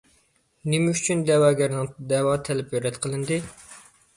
نېمە ئۈچۈن دەۋاگەرنىڭ دەۋا تەلىپى رەت قىلىندى؟